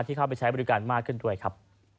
เข้าไปใช้บริการมากขึ้นด้วยครับ